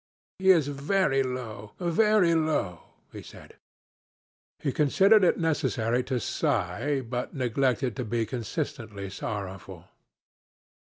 'He is very low, very low,' he said. He considered it necessary to sigh, but neglected to be consistently sorrowful.